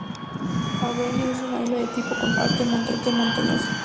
Anvers es una isla de tipo continental, alta y montañosa.